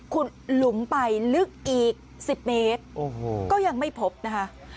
ขุดหลุมไปลึกอีก๑๐เมตรก็ยังไม่พบนะคะ